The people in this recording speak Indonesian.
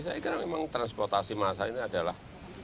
saya kira memang transportasi massa ini adalah